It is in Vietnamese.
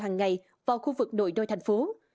hàng ngày vào khu vực nội đô tp hcm